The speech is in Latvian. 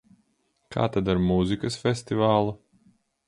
Kā tad ar mūzikas festivālu?